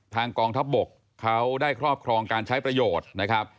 กองทัพบกเขาได้ครอบครองการใช้ประโยชน์นะครับ